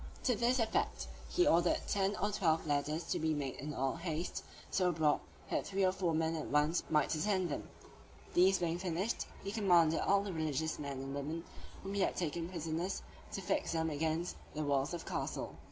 To this effect, he ordered ten or twelve ladders to be made in all haste, so broad, that three or four men at once might ascend them: these being finished, he commanded all the religious men and women, whom he had taken prisoners, to fix them against the walls of the castle.